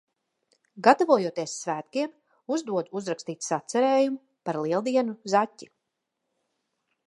Gatavojoties svētkiem, uzdodu uzrakstīt sacerējumu par Lieldienu Zaķi.